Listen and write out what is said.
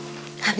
sampai jumpa lagi